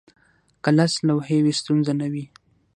که لس لوحې وي، ستونزه نه وي.